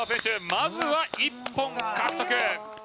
まずは１本獲得。